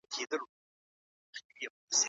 هغه روغتيايي خدمتونه چی خلګو ته ورکول کيږي اړين دي.